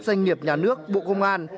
doanh nghiệp nhà nước bộ công an